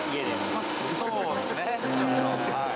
まあ、そうですね。